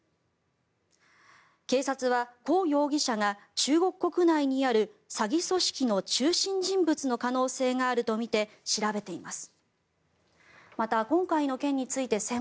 警察はコ容疑者が中国国内にある詐欺組織の中心人物の可能性があるとみて調べています。